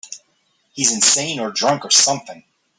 He's insane or drunk or something.